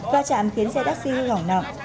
giao trạm khiến xe taxi hư hỏng nặng